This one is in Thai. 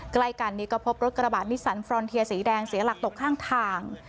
ใกล้กันนี้ก็พบรถกระบาดนิสันฟรอนเทียสีแดงเสียหลักตกข้างทาง